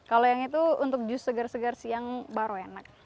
kalau yang itu untuk jus segar segar siang baru enak